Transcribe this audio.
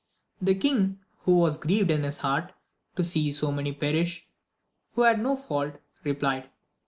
The king, who was grieved iii his heart to see so many perish who had no fault, replied.